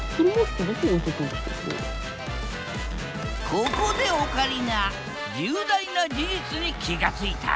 ここでオカリナ重大な事実に気が付いた！